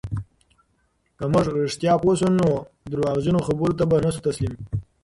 که موږ رښتیا پوه سو، نو درواغجنو خبرو ته به نه سو تسلیم.